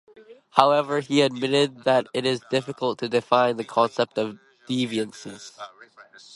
However, he also admitted that it is difficult to define the concept of "deviances".